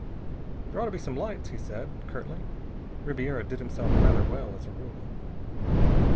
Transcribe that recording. "There ought to be some lights," he said curtly. "Ribiera did himself rather well, as a rule."